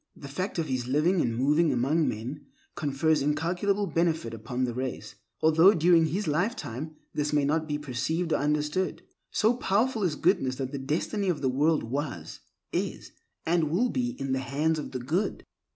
The fact of his living and moving among men confers incalculable benefit upon the race, although during his lifetime this may not be perceived or understood. So powerful is goodness that the destiny of the world was, is, and will be in the hands of the good.